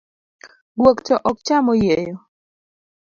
Guok to ok cham oyieyo.